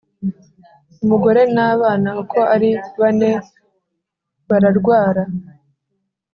umugore n' abana uko ari bane bararwara